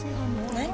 何？